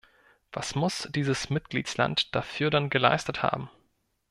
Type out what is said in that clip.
Was muss dieses Mitgliedsland dafür dann geleistet haben?